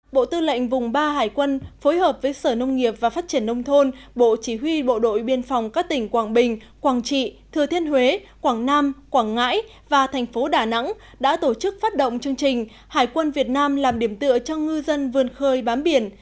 bộ tư lệnh vùng ba hải quân phối hợp với sở nông nghiệp và phát triển nông thôn bộ chỉ huy bộ đội biên phòng các tỉnh quảng bình quảng trị thừa thiên huế quảng nam quảng ngãi và thành phố đà nẵng đã tổ chức phát động chương trình hải quân việt nam làm điểm tựa cho ngư dân vươn khơi bám biển